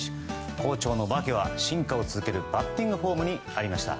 好調の訳は進化を続けるバッティングフォームにありました。